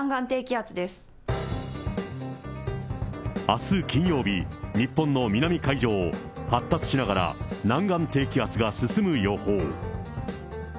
あす金曜日、日本の南海上を発達しながら南岸低気圧が進む予報。